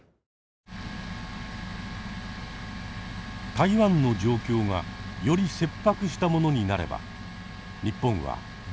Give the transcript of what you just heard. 台湾の状況がより切迫したものになれば日本はどう対応するのか。